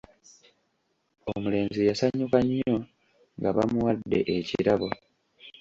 Omulenzi yasanyuka nnyo nga bamuwadde ekirabo.